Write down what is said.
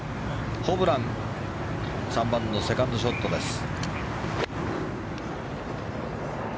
ホブラン３番のセカンドショットです。